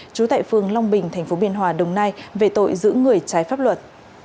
trú tại phường long bình tp biên hòa đồng nai về tội giữ người trái pháp luật